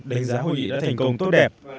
đánh giá hội nghị đã thành công tốt đẹp